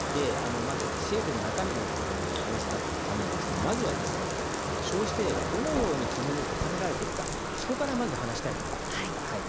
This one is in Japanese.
制度の中身を話すために、まずは消費税がどのように国に納められているかそこからまず話したいと思います。